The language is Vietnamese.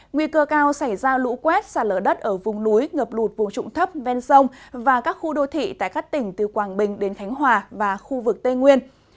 nguy cơ cao xảy ra lũ quét xả lở đất ở vùng núi ngập lụt vùng trụng thấp ven sông và các khu đô thị tại các tỉnh từ quảng bình đến khánh hòa và khu vực tây nguyên